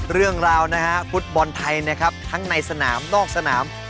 เรื่องราวนะฮะฟุตบอลไทยนะครับทั้งในสนามนอกสนาม